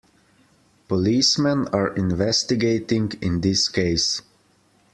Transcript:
Policemen are investigating in this case.